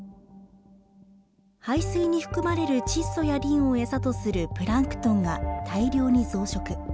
排水に含まれる窒素やリンを餌とするプランクトンが大量に増殖。